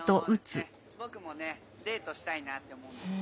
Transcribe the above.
僕もねデートしたいなって思うんですけどね。